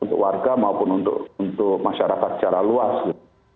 untuk warga maupun untuk masyarakat secara luas gitu